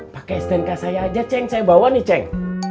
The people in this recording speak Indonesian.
pakai stnk saya aja ceng saya bawa nih ceng